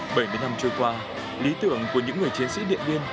bảy mươi năm trôi qua lý tưởng của những người chiến sĩ điện biên